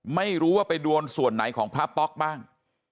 ไม่รู้ว่าไปโดนส่วนไหนของพระป๊อกบ้าง